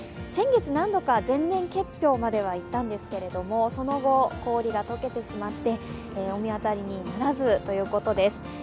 先月、何度か全面結氷まではいったんですけど、その後、氷が解けてしまって、御神渡りにならずということです。